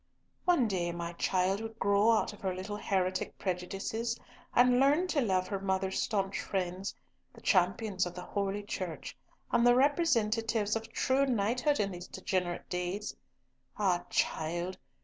"One day my child will grow out of her little heretic prejudices, and learn to love her mother's staunch friends, the champions of Holy Church, and the representatives of true knighthood in these degenerate days. Ah, child!